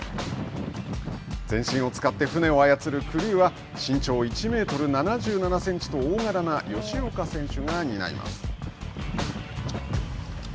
全身を使って船を操るクルーは身長１メートル７７センチと大柄な吉岡選手が担います。